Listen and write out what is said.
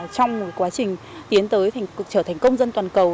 trong quá trình tiến tới trở thành công dân toàn cầu